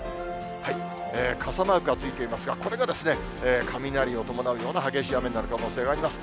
傘マークがついていますが、これが、雷を伴うような激しい雨になる可能性があります。